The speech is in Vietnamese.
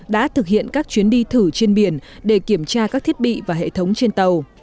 đã thực hiện các chuyến đi thử trên biển để kiểm tra các thiết bị và hệ thống trên tàu